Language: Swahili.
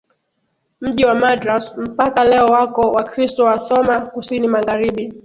mji wa Madras Mpaka leo wako Wakristo wa Thoma kusini magharibi